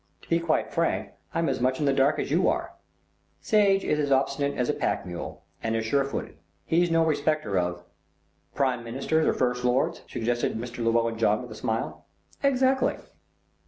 "To be quite frank, I'm as much in the dark as you are. Sage is as obstinate as a pack mule and as sure footed. He's no respecter of " "Prime Ministers or First Lords," suggested Mr. Llewellyn John with a smile. "Exactly."